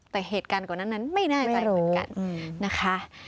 แต่เหตุการณ์ก่อนหน้านั้นไม่น่าจะเห็นเหมือนกันนะคะ